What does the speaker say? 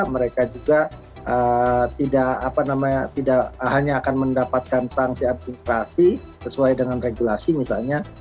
mereka juga tidak hanya akan mendapatkan sanksi administrasi sesuai dengan regulasi misalnya